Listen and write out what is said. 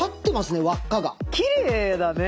きれいだね。